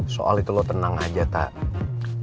soal itu lu tenang aja tak